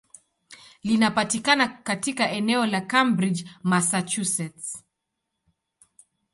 Linapatikana katika eneo la Cambridge, Massachusetts.